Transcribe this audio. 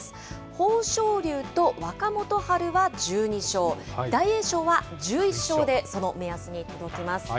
豊昇龍と若元春は１２勝、大栄翔は１１勝でその目安に届きます。